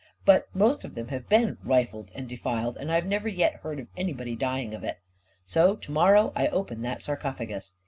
But most of them have been rifled and defiled, and I never yet heard of anybody dying of it! So to morrow I open that sarcophagus.